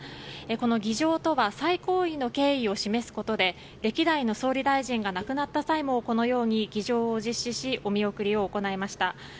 この儀仗とは最高位の敬意を示すことで歴代の総理大臣が亡くなった際もこのように儀仗を実施しお見送りを行いました。